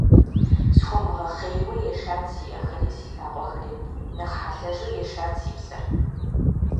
Схуэмыгъэхъейуэ ешат си Ӏэхэри, си лъакъуэхэри, нэхъ хьэлъэжу ешат си псэр.